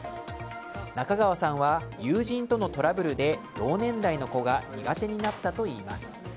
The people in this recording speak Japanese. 中川さんは、友人とのトラブルで同年代の子が苦手になったといいます。